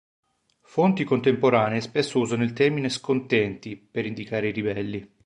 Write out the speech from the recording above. Fonti contemporanee spesso usano il termine "scontenti" per indicare i ribelli.